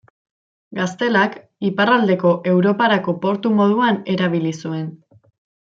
Gaztelak iparraldeko Europarako portu moduan erabili zuen.